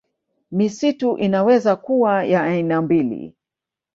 Misitu inaweza kuwa ya aina mbili